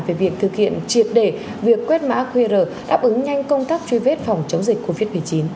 về việc thực hiện triệt để việc quét mã qr đáp ứng nhanh công tác truy vết phòng chống dịch covid một mươi chín